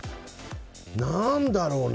何だろうね。